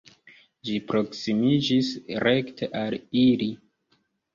Ĝi proksimiĝis rekte al ili.